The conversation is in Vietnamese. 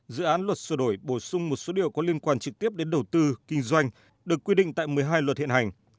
dự án luật sửa đổi bổ sung một số điều có liên quan trực tiếp đến đầu tư kinh doanh được quy định tại một mươi hai luật hiện hành